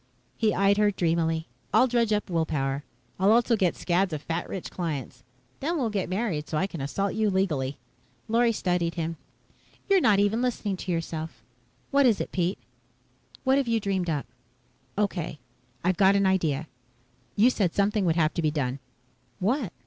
He eyed her dreamily. "I'll dredge up will power. I'll also get scads of fat rich clients. Then we'll get married so I can assault you legally." Lorry studied him. "You're not even listening to yourself. What is it, Pete? What have you dreamed up?" "Okay. I've got an idea. You said something would have to be done." "What?"